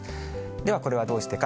では、これはどうしてか。